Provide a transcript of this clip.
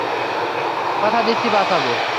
কথা দিচ্ছি বাঁচাবো।